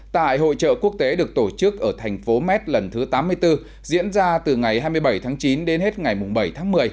tại hội trợ quốc tế được tổ chức ở thành phố met lần thứ tám mươi bốn diễn ra từ ngày hai mươi bảy tháng chín đến hết ngày bảy tháng một mươi